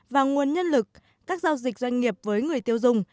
và nguồn nhân lực các giao dịch doanh nghiệp với người tiêu dùng